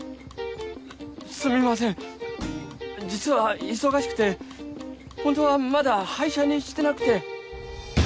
すみません実は忙しくて本当はまだ廃車にしてなくて。